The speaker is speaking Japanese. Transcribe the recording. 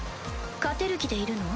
勝てる気でいるの？